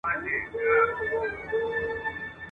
د نارنج د ګلو لاړ دي پر کاکل درته لیکمه ..